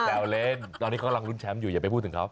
แต่เอาเล่นตอนนี้กำลังลุ้นแชมป์อยู่อย่าไปพูดถึงเขา